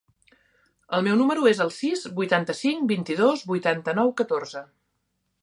El meu número es el sis, vuitanta-cinc, vint-i-dos, vuitanta-nou, catorze.